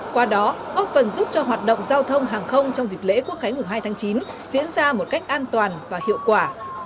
qua đó góp phần giúp cho hoạt động giao thông hàng không trong dịp lễ quốc khánh mùng hai tháng chín diễn ra một cách an toàn và hiệu quả